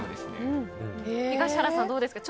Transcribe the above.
東原さん、どうですか？